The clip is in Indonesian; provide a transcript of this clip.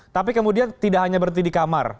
tapi kemudian tidak hanya berhenti di kamar